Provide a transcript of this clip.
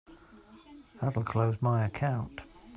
That'll close my account.